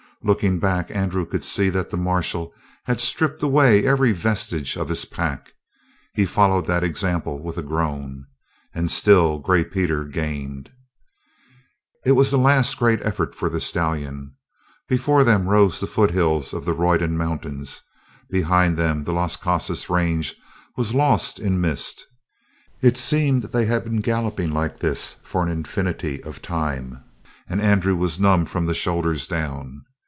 Looking back, Andrew could see that the marshal had stripped away every vestige of his pack. He followed that example with a groan. And still Gray Peter gained. It was the last great effort for the stallion. Before them rose the foothills of the Roydon mountains; behind them the Las Casas range was lost in mist. It seemed that they had been galloping like this for an infinity of time, and Andrew was numb from the shoulders down.